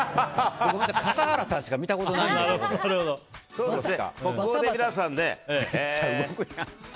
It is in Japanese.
笠原さんしか俺、見たことないんで。